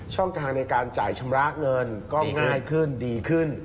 ทางในการจ่ายชำระเงินก็ง่ายขึ้นดีขึ้น